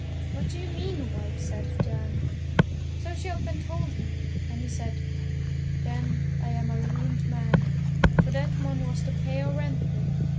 "What do you mean, wife?" said Jan. So she up and told him, and he said, "Then I'm a ruined man, for that money was to pay our rent with.